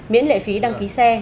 miễn lệ phí đăng ký xe